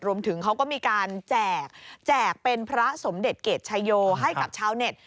รวมถึงเขาก็มีการแจกแจกเป็นพระสมเด็จเกรดชายโยให้กับชาวเน็ต